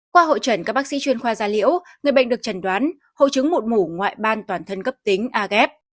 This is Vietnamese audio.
qua hội trần các bác sĩ chuyên khoa da liễu người bệnh được trần đoán hội chứng mụn mủ ngoại ban toàn thân cấp tính agf